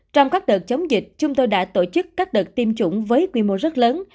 trong các đợt chống dịch chúng tôi đã tổ chức các đợt tiêm chủng với quy mô rất lớn